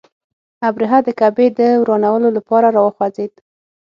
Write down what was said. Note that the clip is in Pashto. ابرهه د کعبې د ورانولو لپاره را وخوځېد.